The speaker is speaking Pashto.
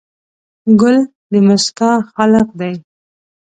ګل د موسکا خالق دی.